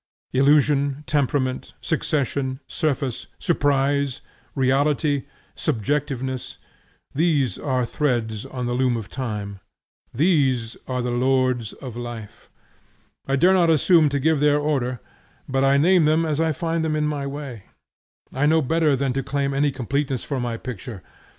Illusion, Temperament, Succession, Surface, Surprise, Reality, Subjectiveness, these are threads on the loom of time, these are the lords of life. I dare not assume to give their order, but I name them as I find them in my way. I know better than to claim any completeness for my picture.